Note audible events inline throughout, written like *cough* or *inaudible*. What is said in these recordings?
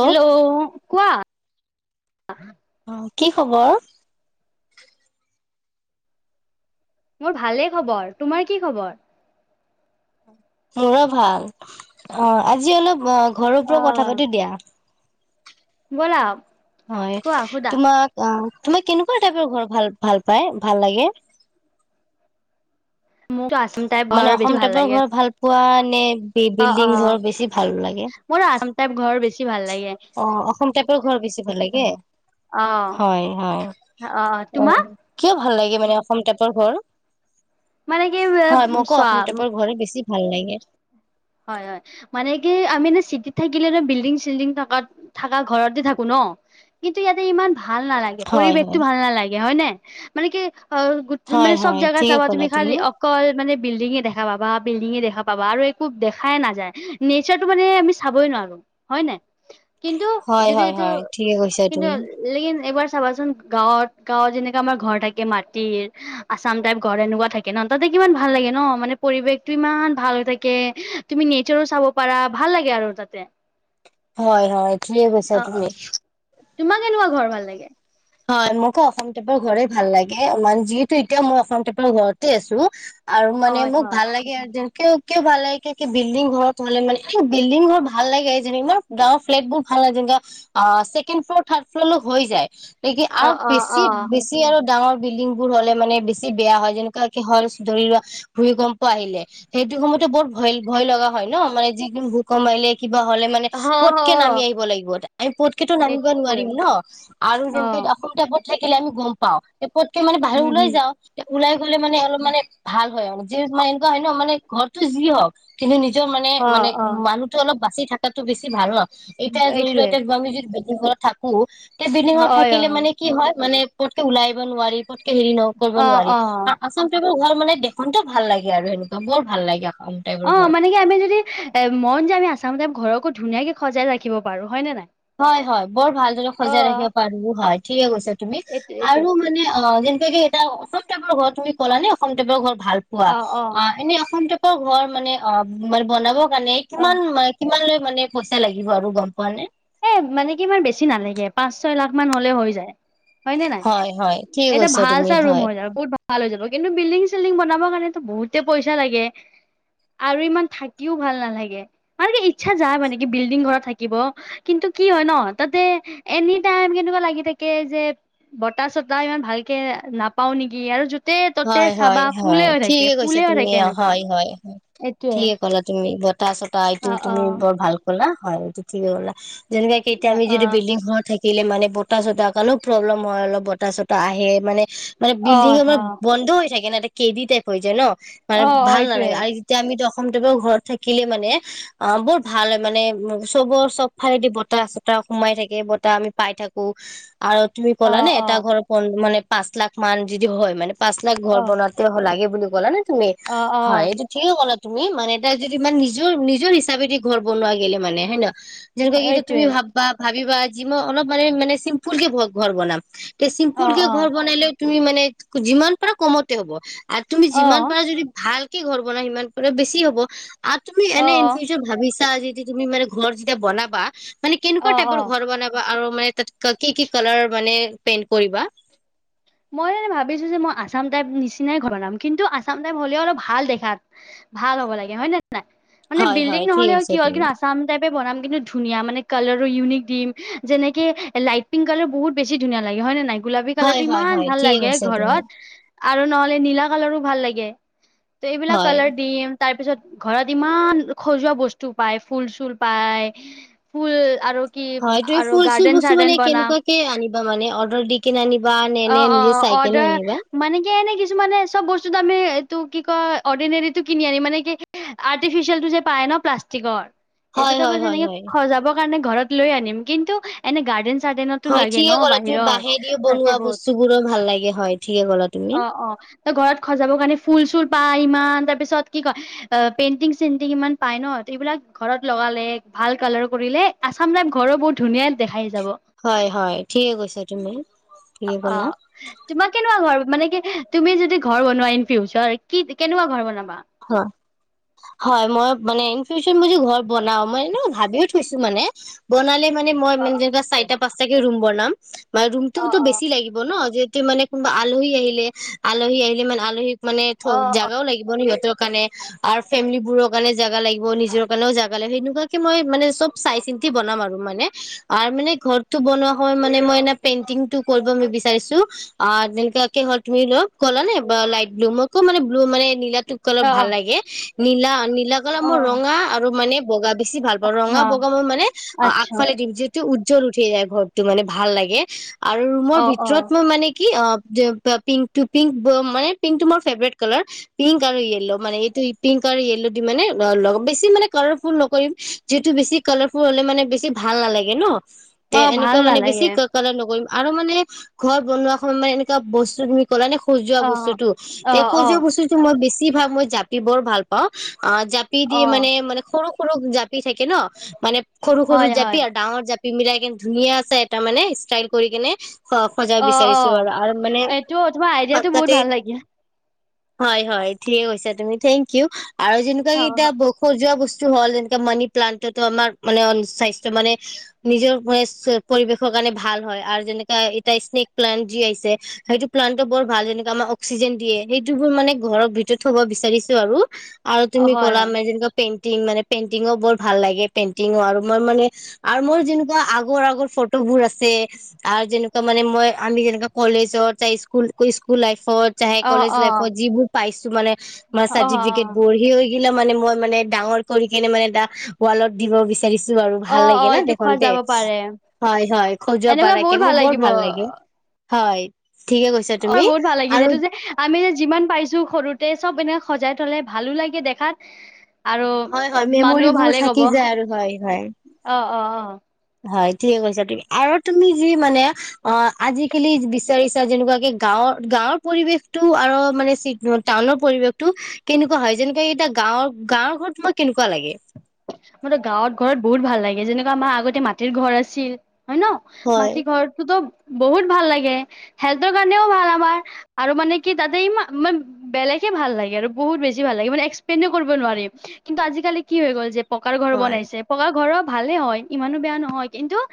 Hello কোৱা। আহ অ কি খবৰ। মোৰ ভালে খবৰ তোমাৰ কি খবৰ। মোৰো ভাল অ' আজি অলপ অ'। ঘৰৰ পৰাও কথা অ', পাতি দিয়া। ব'লা। হয় কোৱা সুধা তোমাক। তোমাক কেনেকুৱা টাইপৰ ঘৰ ভাল ভাল পাই ভাল লাগে। মোকতো আছাম টাইপ ঘৰ মানে বেছি অসম ভাল টপৰ লাগে ঘৰত ভাল পোৱা। নে অ অ বিল্ডিং ঘৰ বেছি ভাল লাগে। মোৰ আছাম টাইপ ঘৰ বেছি ভাল লাগে অ অআচামটাইপৰ ঘৰ বেছি ভাল লাগে অ হয় হয় অ কিয় ভাল লাগে। মানে অআচামটাইপৰ ঘৰ। মানে কি হয় উম মোকো চোৱা। অসম টাইপৰ ঘৰে বেছি ভাল লাগে। হয় হয় মানে কি আমি চিটিত থাকিলে ন বিল্ডিং চিল্ডিং থ থকা ঘৰতে থাকো ন কিন্তু ইয়াতে ইমান। ভাল নালাগে হয় পৰিৱেশতটো হয় ভাল নালাগে হয় ন। মানে কি। অ গোট হয় মানে চব হয় জাগগা ঠিকে চাবা ক'লা তুমি খালি অকল মানে বিল্ডিঙে দেখাবা বা বিল্ডিঙ দেখা। পাব ব আৰু। খুব দেখাইে নাযায় নেচাৰটো মানে আমি চাবই নোৱাৰো হয় ন। কিন্তু হয় যদি হয় এইটো হয় ঠিকে কৈছা কিন্তু তুমি লকিন এবাৰ। চাবাচোন গাঁৱত গাঁৱত যেনেকা আমাৰ ঘৰ থাকে মাটিৰ আচাম টাইপ ঘৰ এনেকুৱা থাকে ন তাতে ইমান ভাল লাগে ন মানে পৰিবেশ টো ইমান ভাল হৈ থাকে। তুমি নেচাৰো চাব পাৰা ভাল লাগে আৰু তাতে। হয় হয় ঠেকে কৈছা অ অ তুমি তোমাক কেনেকুৱা ঘৰ ভাল লাগে। হয় মোকো অসম টাইপৰ ঘৰে ভাল লাগে ম যিহেতু এতিয়া মই অসম টাইপৰ ঘৰতে আছো। আৰু মানে হয় মোক হয় ভাল লাগে আৰু কিয় কিয় ভাল লাগে বিল্ডিং ঘৰত হ'লে মানে এ বিল্ডিং ঘৰ ভাল লাগে যেনে ইমান ডাঙৰ ফ্লেটবোৰ ভাল লাগে যেনে আহ ছেকেণ্ড ফ্লৰ থাৰ্ড ফ্ল'ৰলৈ হৈ যায়। নেকি অ আৰু অ বেছি অ বেছি আৰু ডাঙৰ বিল্ডিং বোৰ হ'লে মানে বেছি বেয়া হয় যেনেকুৱা কি হ'ল ধৰি লোৱা ভূমিকম্প আহিলে সেইটো সময়তো বহুত ভয় ভয় লগা হয় ন মানে যিকোনো ভূমিকম্প আহিলে কিবা হ'লে মানে হ হ পতকে নামি আহিব লাগিব আমি পতকেতো নামিব এইটোৱে নোৱাৰিম ন আৰু অ যে আচলতে আপুনি থাকিলে আমি গম পাওঁত, পৃথকে মানে বাহিৰ উম ওলাই হম যাওঁ। ওলাই গলে মানে অলপ মানে ভাল হয় যি এনেকুৱা হয় ন মানে ঘৰতো যি হওক কিন্তু নিজৰ মানে অ মানে অ মানুহটো অলপ বাচি থকাটো বেছি ভাল ন। এতিয়া ধৰি লোৱা এইটোৱে এতিয়া তোমালোকে যদি ঘৰত থাকো। বিনিময়ত থাকি হয় অ কিলে মানে কি হয় মান পতকে ওলাই আহিব নোৱাৰি। হেৰি ন কৰিব অ নোৱাৰি অ আৰু আচাম টাইপৰ টাইপৰ ঘৰ মানে দেখোংটেও ভাল লাগে আৰু সেনেকুৱা বৰ ভাল লাগে আসাম টাইপৰ অ ঘৰ মানে কি আমি যদি এ মন যে আমি আছাম টাইপৰ ঘৰকো ধুনীয়াকে সজাই ৰাখিব পাৰো হয় নে নাই। হয় হয় বৰ ভালদৰে অ সজাই ৰাখিব পাৰো হয়। ঠিকে কৈছা তুমি তুমি এইটো এইটো আৰু মানে অ এটা অসম টাইপৰ ঘৰ তুমি কলা নে অসম টাইপৰ ঘৰ ভাল পোৱা অ এনেই অসম টা ঘৰ মানে অ বনাব মানে অ কিমান কিমান ল মানে পইচা লাগিব আৰু গম পোৱা নে এ মানে কি ইমান বেছি নালাগে পাঁচ ছয় লাখ মান হলে হৈ যায় হয় নে নাই হয়, ঠিকে এটা কৈছা ভাল তুমি চা ৰুম হয়। হৈ যাব বহুত ভাল ভাল হৈ যাব কিন্তু বিল্ডিং চিল্ডিং, বনাব কাৰণো বহুতে পইচা লাগে আৰু ইমান থাকিও ভাল নালাগে মান কি ইচ্ছা যায় মানে কি বিল্ডিং ঘৰত থাকিব কিন্তু কি হয় ন তাতে এনি টাইম কেনেকুৱা লাগি থাকে যে বতাহ চতাহ ইমান ভালকে নাপাও নেকি আৰু য'তে ত'তে হয় হয় চাবা ফুলে হয় হৈ থাকে ঠিকে কৈছা ফুলে হৈ তুমি থাকে অ এনেকুৱা হয় হয় এইটোয়ে ঠিকে কলা তুমি তাৰছত অ আইতও অ তুমি বৰ ভাল কলা। হয় এইটো ঠিকে কলা। যেনেকে এতিয়া অ আম অ যদি বিল্ডিং ঘৰ থাকে। থাকিলে মানে বতাহ চতাহ কাৰণে কি প্ৰব্লেম হয় অলপ বতাহ চতাহ আহে মানে মানে বিল্ডিং, অ আমাৰ হৈ থাকে না কেড টপ হৈ যায় ন মানে অ অ ভাল এইটোয়ে নালাগে আৰু যেতিয়া আমি অসমদেৱৰ ঘৰত থাকিলে মানে অ বহৰ ভাল হয় মানে চবৰ চবফালেদি বতাহ আছে ত সোমাই থাকে বতাহ আমি পাই থাকো। আৰু তুমি অ কলা নে অ এটা ঘৰৰ মানে পাঁচ লাখ মান যদি হয় মানে পাচ লাখ অ ঘৰ বনাতে লাগে বুলি গলা নে তুমি অ অ হয় এইটো ঠিকে কলা তুমি মানে এ তাই যদি ইমান নিজৰ নিজৰ হিচাপেদি ঘৰ বনোৱা গেলে মানে হয় নহয়। যেনেকুৱা কি এতিয়া তুমি এইটোৱে ভাব'বা ভাবিবা যি মই অলপ মানে-মানে চিম্পুল কে ঘৰ বনাম। অ চিম্পুল কে অ ঘৰ বনাইলে তুমি মানে যিমান পৰা কমতে হব। আৰু তুমি অ যিমান পাৰা যদি ভাল কি ঘৰ বনাই সিমান *unintelligible* বেছি হ'ব। আৰু তুমি অ অ এনে ইন ফিউচাৰ ভাবিছা যেয়া তুমি মানে ঘৰ যেতিয়া বনাবা মানে অ কেনেকুৱা অ টাইপৰ ঘৰ বনাবা আৰু মানে তাত কি-কি কালাৰ মানে পেইন্ট কৰিবা? মই মানে ভাবিছো যে মই আছাম টাইপ নিচিনাই ঘৰনাম কিন্তু আছাম টাইপ হ'লেও অলপ ভাল দেখাত, ভাল হ'ব লাগে। হয় নেহয়? নাই, মান হয় বিল্ডিং হয় ঠিক নহ'লে আছে কি হল তুমি কিন্তু আছাম টাইপ বনাম কিন্তু ধুনীয়া মানে কালাৰো ইউনিক দিম, যেনেকে লাইট পিংক কালাৰ বহুত বেছি ধুনীয়া লাগে হয় নে নাই? গোলাবি কলাৰটো হয় হয় ইমান হয় ভাল ঠিক লাগে কৈছা তুমি ঘৰত। আৰু নহ'লে নীলা কালাৰো ভাল লাগে। ত এইবিলাক হয় কালাৰ দিম। তাৰ পিছত ঘৰত ইমান সজোৱা বস্তু পায়, ফুল-চুল পায়, ফুল আৰু কি হয় ত আৰু ফুল-চুল গাৰ্ডেন বস্তু মানে চাৰ্ডেন বনাম কেনেকুৱাক কে আনিবা মানে অৰ্ডাৰ দি কেনে আনিবা নে নে নিজে অহ-অহ, চাই কেনে অডাৰ আনিবা? মানে এনে কিছু মানে চব বস্তুটো আমি এইটো কি কৈ অৰ্ডিনেৰিটো কিনি আনিম মানে কি আৰ্টিফিচিয়েলটো যে পায় ন প্লাষ্টিকৰ? হয় এইটোত বাৰ হয় হয় যেনেকে হয় সজাবৰ কাৰণে ঘৰত লৈ আনিম কিন্তু, এনে গাৰডেন গাৰডিনতো হয় লাগে ন ঠিকে ক'লা তুমি বাহিৰত? বাঁহেদিও বনোৱা বহত। বস্তুবোৰো ভাল লাগে হয় ঠিকে ক'লা তুমি। অহ-অহ, ত ঘৰত সজাব কাৰণে ফুল-চুল পাই ইমান তাৰ পিছত কি কয় পেইন্টিং-চটিং ইমান পাই ন? এইবিলাক ঘৰত লগালে ভাল কালাৰ কৰিলে আছাম টাই ঘৰো বহুত ধুনীয়া দেখাই। যাব হয়-হয়, ঠিকে কৈছা তুমি। ঠিকে ক'লা অহ, তোমাক কেনেকুৱা ঘৰ মান কি তুমি যদি ঘৰ বনোৱা ইন ফিউচাৰ কি কেনেকুৱা ঘৰ বনাব? হয়। হয়, মই মানে *unintelligible* যদি ঘৰত বনাও, মই এনে ভাবিও থৈছো মানে বনালে মানে অ মইানে যেনেক চাইট পাঁচতাকে ৰুম বনাম। মানে অ ৰুমটোতো অ বছি লাগিব ন যে মানে কোনোবা আলহী আহিলে আলহী আহিলে মানে আলহী মানে থ জোগাও লাগিব সিহঁতক কাৰণে আৰু ফেমেলিবোৰৰ কাৰণে জাগা লাগিব। নিজৰ কাৰণে জেগা লাগি, সেনেকুৱাকে মই মনে সব চাই চিন্তি বনাম আৰু মানে। আৰু মানে ঘৰটো বনুৱা হ'য় মানে মই মেনে পেণ্টীং কৰিব বিচাৰিছোঁ, আ মানে *unintelligible* কলানে বা লাইট ব্লু মই কম মানে বুলু মানে নীলা কালাৰ অ ভাল অ লাগে নীলা নীলা কালাৰ অ মোৰ ৰঙা আৰু মানে বগা বেছি ভাল পাওঁ ৰঙা হা বগা মই মানে অ আচ্ছা আগফালে দিম যিটো মানে উ জল উঠিয় যায় ঘৰটো মানে ভাল লাগে। আৰু ৰুমৰ অ অ ভিতৰত মই মানে পিং পিং মানে পিংটো মোৰ ফেভৰেট কালাৰ পিং পিংক আৰু য়েল্ল মানে এইটো পিংক আৰু য়েললো দি মানে লগাম। বেছি মানে কালাৰফুল নকৰিম যিসেটো বেছি কালাৰফুল হ'লে মানে বেছি ভাল নালাগে ন? তে অ এনেকুৱা মানে বেছি বিয়ে কালাৰ নকৰিম। আৰু মানে ঘৰত বনোৱা সময়ত মানে এনেকুৱা বস্তু তুমি ক'লা নে সজোৱা অ বস্তুতটো অ এই অ সজোৱা বস্তুতটো মই বেছি কি ভাব মই জাপি বৰ ভাল পাওঁ অ জাপি দি অ মানে মানে সৰু জাপি থাকে ন মানে সৰু সৰু হয় জাপি হয় আৰু ডাঙৰ জাপি পিমিলাই কেনে ধুনীয়াছে এটা মানে ষ্টাইল কৰি গেনে অ অ এইটো তোমাৰ আইডিয়াটো বহুত তাতে ভাল লাগিল। হয় হয়। ঠিকে কৈছা তুমি থেংক ইউ। আৰু যেনেকুৱা কি অ এতিয়া ব খৰ যোৱা বস্তু হল যেনে মানি প্লান্ততো আমাৰ মানে স্বাস্থ্য মানে নিজৰ মানে পৰিৱেশৰ কাৰণে ভাল হয়। আৰু যেনেকা এটা স্নেক প্লান্ত যি আহিছে, সেইটো প্লান্তটো বৰ ভাল আমাক অক্সিজেন দিয়ে। সেইটো বোৰ মানে ঘৰৰ ভিতৰত থব বিচাৰিছো আৰু। আৰু হয় তুমি'কলা হয় মে যেনেকৈ পেন পেনটিং মানে পেনটিংও বৰ ভাল লাগে। পেনটিংও আৰু। মই মানে মোৰ যেনে কোৱা আগৰ আগৰ ফটোবোৰ আছে যেনে কোৱা মানে মই আমি যেনেকোৱা কলেজৰ স্কুল স্কুল লাইফ ফত *inaudible* অ কলেজ অ লাইফত যিবোৰ পাইছো মানে মাৰ অ অ চাৰ্টিফিকেট *inaudible* হৈ লিলে মানে মই মানে ডাঙৰ কৰি কেনে মানে এটা ৱালত দিব বিচাৰো। বিচাৰিছো আৰু অ ভাল অ লাগে না এইটো খোৱা দেখতে। যাব পাৰে। হয় হয় সজোৱা এনেকুৱা বহুত পাৰাকে মোৰ বৰ লাগিব ভাল লাগে। হয়। ঠিকে কৈছা অ তুমি বহুত ভাল লাগিছে আৰু এইটো যে আমি যে যিমান পাইছো সৰুতে চব এনা সজাই থলে ভালো লাগে দেখাত আৰু হয় হয় মানুহও মেমৰিবোৰ ভালে থাকি কব যায় আৰু হয় হয় অঁ হয় ঠিকে কৈছা তুমি আৰু তুমি যি মানে অ আজিকালি বিচাৰিছা যেনেকুৱাকে গাঁৱৰ গাঁৱৰ পৰিৱেশতটো আৰু মানে টাউনৰ পৰিৱেশটো কেনেকুৱা হয় যেনেকুৱা এতিয়া গাঁৱৰ গাঁৱৰ ঘৰত তোমাক কেনেকুৱা লাগে মো ত গাঁৱত ঘৰত বহুত ভাল লাগে যেনেকুৱা আমাৰ আগতে মাটিৰ ঘৰ আছিল হয় ন হয় মাটিৰ ঘৰটোত বহুত ভাল লাগে হেল্ট কাৰণেও ভাল আমাৰ আৰু মানে কি তাতে ইমা ইমান বেলেগে ভাল লাগে আৰু বহুত বেছি ভাল লগে এস্কপ্লেনেই কৰিব নোৱাৰি কিন্তু আজিকালি কি হৈ গল যে পকাৰ ঘৰ হয় বনাইছে পকা ঘৰৰ ভালে হয় ইমানো বেয়া নহয় কিন্তু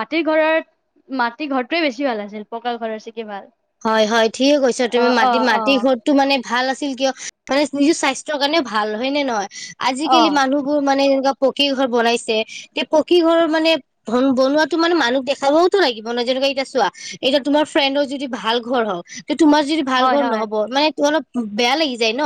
মাটিৰ ঘৰত মাটিৰ ঘৰটোৱে বেছি ভাল আছিল পকা ঘৰৰ চিকে ভাল হয় হয় ঠিকে কৈছা অ তুমি অ মাটি অ মাটি ঘৰটো মানে ভাল আছি আছিল কিয় মানে নিজৰ স্বাস্থ্যৰ কাৰণেও ভাল হয় নে নহয় অ আজিকালি মানুহবোৰ মানে এনুকা পকী ঘৰ বনাইছে তে পকী ঘৰৰ মানে বনোৱাটো মানে মানুহক দেখাবওতো লাগিব নয় যেনেকুৱা এতিয়া চোৱা এতিয়া তোমাৰ ফ্ৰেণ্ডৰ যদি ভাল ঘৰ হ তোমাৰ যদি ভাল হয় ঘৰ হয় নহ'ব মানে তোমালো বেয়া লাগি যায় ন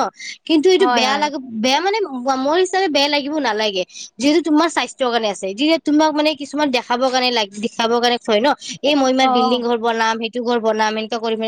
কিন্তু এইটো হয় বেয়া হয় লাগো বেয়া মানে ব মোৰ হিচাপে বেয়া লাগিব নালাগে যিহেতু তোমাৰ স্বাস্থ্যৰ কাৰণে আছে যি তোমাক মানে কিছুমান দেখাব কাৰণে লাগে দেখাবৰ কাৰণে থয় ন এ মই ইমান অ অ বিল্ডিং ঘৰ বনাম হে তো ঘৰ বনাম এনকে কৰিম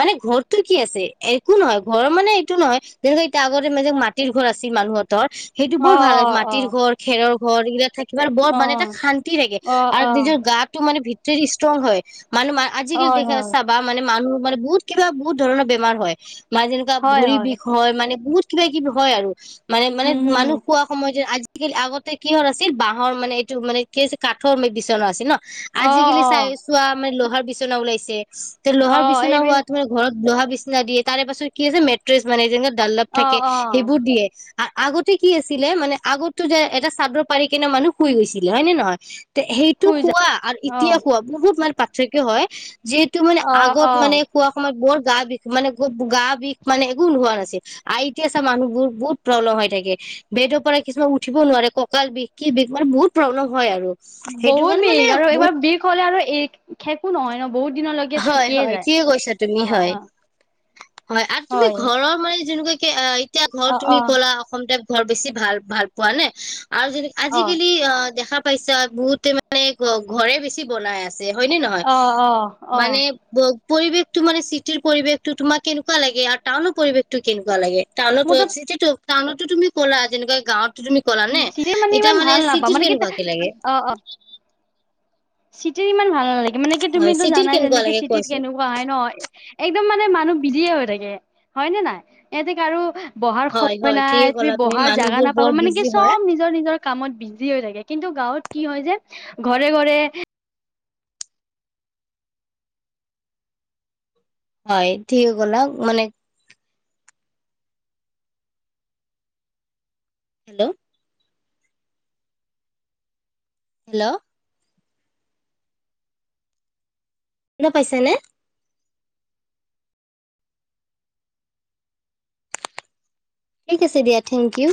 মানে ঘৰতটো কি আছে একো নহয় ঘৰৰ মানে এইটো নহয় যেনেকুৱা এতিয়া আগতে মাটিৰ ঘৰ আছিল মানুহৰ তৰ সেইটো অ বৰ ভাল আ অ অ মাটিৰ ঘৰ খেৰৰ ঘৰ গিলা থাক কিবা বৰ মানে এটা শান্তি লাগে অ অ আৰু অ নিজৰ গাটো মানে ভিতৰ যে ইস্তংগ হয় মানুহ মা আজিকালি হয় দেখি ত হয় চাবা মানে মানুহ মানে বহুত কিবা বহুত ধৰণৰ বেমাৰ হয় মা যেনেকুৱা ভৰি বিষ হয় মানে বহুত কিবা কিবি হয় আৰু মানে মানে হম হম মানুহ খোৱা সময়তে আজি থাকিল আগতে কিহৰ আছিল বাঁহৰ মানে এইটো মানে কি কাঠৰ বিচনা আছিল ন অ আজিকালি অ চাই চোৱা আমি ল ভাল বিচনা ওলাইছে। তো অ লোহাৰ বিচনা হোৱা এইবিলাক তোমাৰ ঘৰত। লোহা বিচনা দিয়ে তাৰে পাছত কি আছে মেট্ৰেছ মানে যেনেক ডানলপ অ থাকে অ সেইবোৰ দিয়ে । আ আগতে কি আছিলে মানে আগতো যে এটা চাদৰ পাৰি কিনে মানুহ শুই গৈছিলে হয় ন নে নহয় সেইটো শুই যা খোৱা আৰু অ এতিয়া খোৱা বহুত মানে পাত থাকে হয় যিহেতু মানে অ আগত অ মানে খোৱা সময়ত বৰ গা বিষ মানে গা বিষ মানে একো নোহোৱা নাছিল আই এতিয়া আচা মানুহ বোৰ বহুত প্ৰব্লেম হৈ থাকে বেদৰ পৰা কিছুমান উঠিব নোৱাৰে ককাল বিষ কি বিষ মানে বহুত প্ৰব্লেম হয় আৰু সেইটো বহুত কাৰণে মানে বিষ আৰু বহুত এইবাৰ বিষ হ'লে আৰু খেকো নহয় ন বহুত দিনলৈকে হয় থাকিয়ে হয় যায় ঠিকে কৈছা তুমি অ হয় অ হয় আৰু তুমি ঘৰৰ মানে যেনেকুৱা কে এতিয়া ঘৰত অ অ তুমি ক'লা অসমতে ঘৰ বেছি ভাল ভাল পোৱা নে? আৰু যে অ আজিকালি অ দেখা পাইছা বহুতে মানে ঘৰে বেছি বনাই আছে হয়নে নহয়? অ অ অ মানে ব পৰিৱেশটো মানে চিটিৰ পৰিৱেশটো তোমাৰ কেনেুৱা লাগে আৰু টাউনৰ পৰিৱেশটো কেনেকুৱা লাগে মোৰ টাউনতো ত চিটি টো টাউনতো তুমি কলা যেনেকা গাঁৱত তুমি কলা নে চিৰিয়েল এতিয়া ইমান মানে ভাল নাপাওঁ চিটিৰ মানে কি কেনেকুৱা কে লাগে? চিটিৰ ইমান ভাল নালাগে মানে কি হয় তুমিতটো চিটিৰ জানাই কেনেকুৱা যেনেক লাগে চিটিত কোৱাচোন কেনেকুৱা হয় ন একদম মানে মানুহ বিজিয়ে হৈ থাকে হয় নে নাই ইহতেক আৰু বহাৰ হয় সময় হয় ঠিকে নাই তুমি ক'লা বহাৰ জেগা মানুহবোৰ বৰ নাপাবা মানে বিজি কি হয় চব নিজৰ নিজৰ কামত বিজি হৈ থাকে কিন্তু গাঁৱত কি হয় যে ঘৰে ঘৰে হয় ঠিকে কলা মানে হেল্ল' হেল্ল' শুনাপাইছা নে? ঠিক আছে দিয়া থেংক ইউ